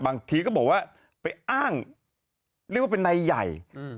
บางทีก็บอกว่าไปอ้างเรียกว่าเป็นนายใหญ่